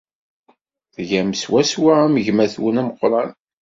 Tgam swaswa am gma-twen ameqran.